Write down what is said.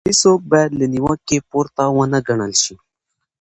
هيڅوک بايد له نيوکې پورته ونه ګڼل شي.